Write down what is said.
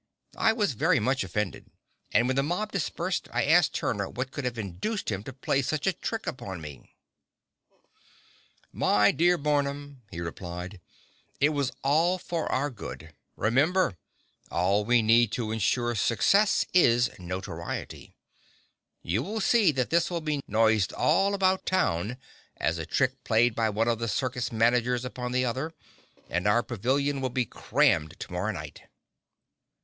I was very much offended, and when the mob dispersed I asked Turner what could have induced him to play such a trick upon me. [Illustration: BARNUM ON A RAIL.] "My dear Mr. Barnum," he replied, "it was all for our good. Remember, all we need to insure success is notoriety. You will see that this will be noised all about town as a trick played by one of the circus managers upon the other, and our pavilion will be crammed to morrow night."